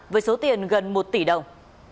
với số tiền gần một tỷ đồng